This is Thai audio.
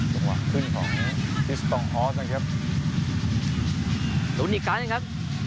จังหวะขึ้นของครับลุ้นอีกกันครับ